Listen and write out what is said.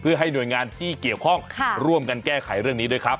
เพื่อให้หน่วยงานที่เกี่ยวข้องร่วมกันแก้ไขเรื่องนี้ด้วยครับ